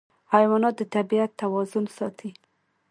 حیوانات د طبیعت توازن ساتي.